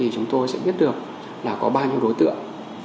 chúng tôi sẽ biết được là có bao nhiêu đối tượng